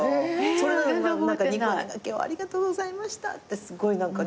それなのに「今日はありがとうございました」ってすごい何か。